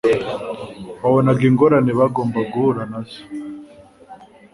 wabonaga ingorane bagomba guhura na zo,